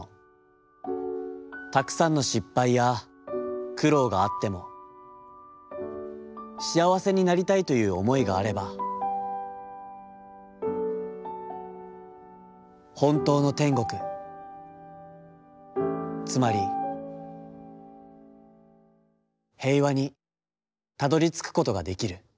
たくさんの失敗や苦労があっても、しあわせになりたいという思いがあれば、ほんとうの天国、つまり平和にたどり着くことができる』」。